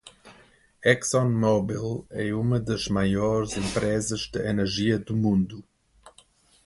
ExxonMobil é uma das maiores empresas de energia do mundo.